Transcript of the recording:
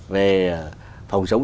về phòng chống